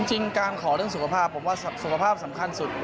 จริงการขอเรื่องสุขภาพผมว่าสุขภาพสำคัญสุด